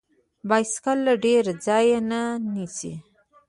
بایسکل له ډیر ځای نه نیسي.